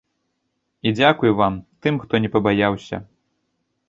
І дзякуй вам, тым, хто не пабаяўся!